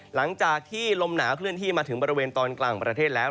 หลังจากที่ลมหนาวเคลื่อนที่มาถึงบริเวณตอนกลางประเทศแล้ว